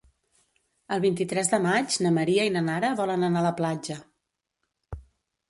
El vint-i-tres de maig na Maria i na Nara volen anar a la platja.